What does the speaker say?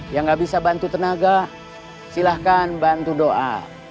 yang gak bisa bantu tenaga silahkan bantu doa